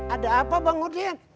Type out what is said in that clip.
ada apa bang udien